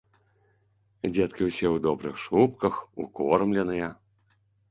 Дзеткі ўсе ў добрых шубках, укормленыя.